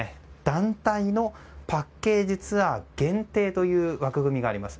団体のパッケージツアー限定という枠組みがあります。